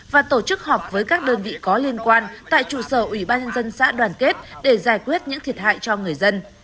và tổ chức họp với các đơn vị có liên quan tại trụ sở ủy ban nhân dân xã đoàn kết để giải quyết những thiệt hại cho người dân